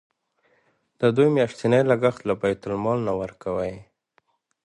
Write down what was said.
د دوی میاشتنی لګښت له بیت المال نه ورکوئ.